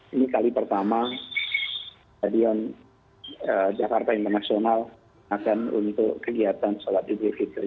ini kali pertama stadion jakarta internasional akan untuk kegiatan sholat idul fitri